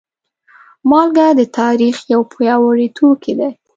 مالګه د تاریخ یو پیاوړی توکی دی.